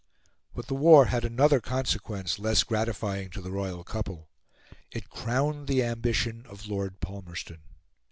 But the war had another consequence, less gratifying to the royal couple: it crowned the ambition of Lord Palmerston.